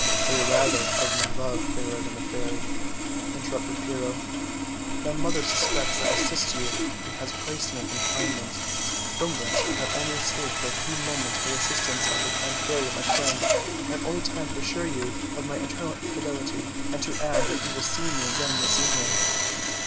"Say, rather, of my love, Fairer than a Fairy," inter rupted Pyrrho. "My mother suspects that I assist you, and has placed me in confinement, from which I nave only escaped for a few moments by the assistance of a kind fairy, my friend. I have only time to assure you of my eternal fidelity, and to add that you will see me again in the evening.